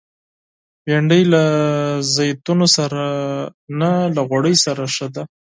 بېنډۍ له زیتونو سره نه، له غوړیو سره ښه ده